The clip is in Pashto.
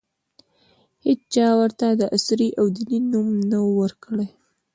هېچا ورته د عصري او دیني نوم نه ؤ ورکړی.